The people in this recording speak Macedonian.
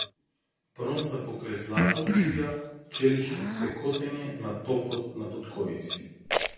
Бронза покрај злато чуја челично ѕвекотење на топот на потковици.